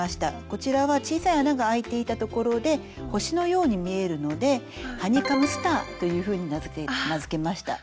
こちらは小さい穴があいていた所で星のように見えるので「ハニカムスター」というふうに名付けました。